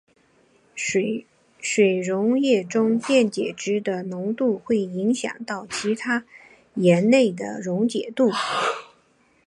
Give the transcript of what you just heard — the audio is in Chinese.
水溶液中电解质的浓度会影响到其他盐类的溶解度。